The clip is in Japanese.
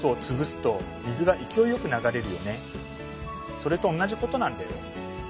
それとおんなじことなんだよ。